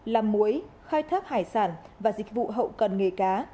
làm muối khai thác hải sản và dịch vụ hậu cần nghề cá